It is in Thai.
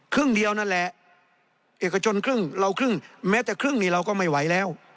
ครึ่งเดียวนั่นแหละเอกชนครึ่งเราครึ่งแม้แต่ครึ่งนี่เราก็ไม่ไหวแล้ว